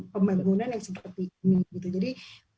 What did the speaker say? pembangunan yang seperti ini